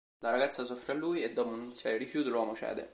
La ragazza s'offre a lui e, dopo un iniziale rifiuto, l'uomo cede.